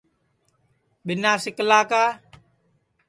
ٻینا سکلا کا